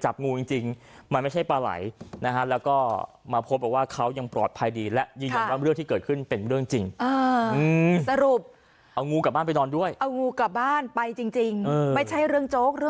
ใช่อันนี้คนเอางูกลับบ้านบ้านคือเซฟ